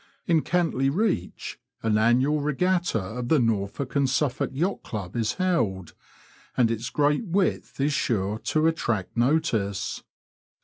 In Cantley reach an annual regatta of the Norfolk and Suffolk Yacht Club is held, and its great width is sure to attract notice.